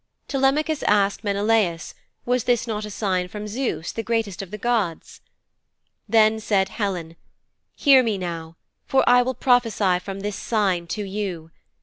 Telemachus asked Menelaus was this not a sign from Zeus, the greatest of the Gods. Then said Helen, 'Hear me now, for I will prophesy from this sign to you.